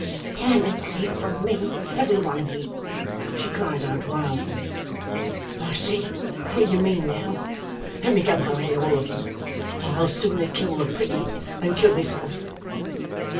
'Stand away from me every one of ye!' she cried out wildly. 'I see what ye mean now. Let me go my way, all of ye. I'd sooner kill the Pretty, and kill myself!